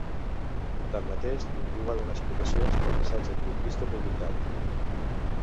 Tanmateix, ningú va donar explicacions pel missatge colpista publicat.